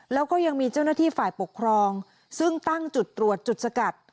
แล้วก็ยังมีเจ้าหน้าที่ฝ่ายปกครองซึ่งตั้งจุดตรวจจุดสกัด